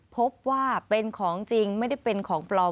พบว่าเป็นของจริงไม่ได้เป็นของปลอม